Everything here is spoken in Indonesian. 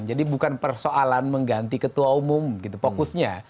jadi bukan persoalan mengganti ketua umum gitu fokusnya